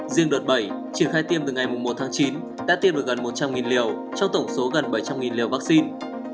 riêng đợt bảy triển khai tiêm từ ngày một tháng chín đã tiêm được gần một trăm linh liều trong tổng số gần bảy trăm linh liều vaccine